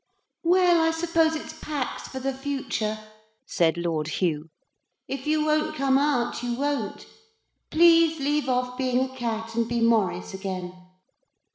'Well, I suppose it's Pax for the future,' said Lord Hugh; 'if you won't come out, you won't. Please leave off being a cat and be Maurice again.'